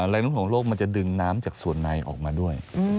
แรงนุ่นของโลกมันจะดึงน้ำจากส่วนในออกมาด้วย